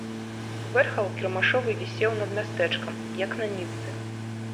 Вэрхал кірмашовы вісеў над мястэчкам, як на нітцы.